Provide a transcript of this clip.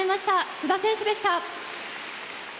須田選手でした。